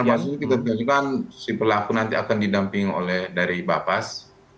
termasuk kita mengajukan si pelaku nanti akan didamping oleh dari bapas